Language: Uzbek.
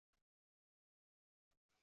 Kundalikka yozib qo’ygan ma’qul.